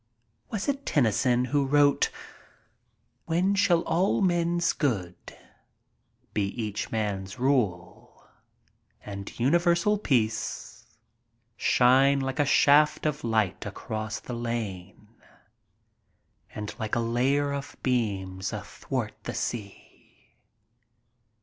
Was it Tennyson who wrote : When shall all men's good Be each man's rule, and universal peace Shine like a shaft of light across che lare, And like a layer of beams athwart the sea?